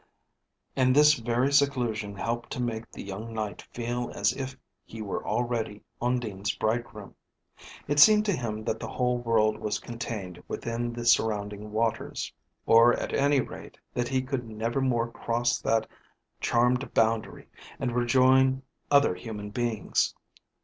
And this very seclusion helped to make the young Knight feel as if he were already Undine's bridegroom. It seemed to him that the whole world was contained within the surrounding waters, or at any rate, that he could never more cross that charmed boundary, and rejoin other human beings.